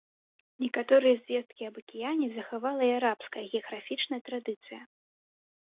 Некаторыя звесткі аб акіяне захавала і арабская геаграфічная традыцыя.